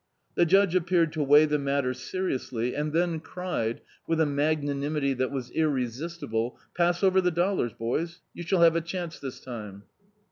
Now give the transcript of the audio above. The judge appeared to weigh the matter seriously, and then cried, with [S8] D,i.,.db, Google Law in America a magnanimity that was irresistible — "Pass over the dollars, boys; you shall have a chance this time."